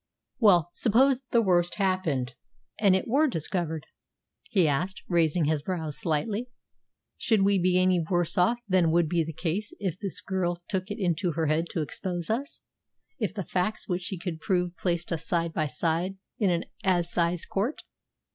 "Well, suppose the worst happened, and it were discovered?" he asked, raising his brows slightly. "Should we be any worse off than would be the case if this girl took it into her head to expose us if the facts which she could prove placed us side by side in an assize court?"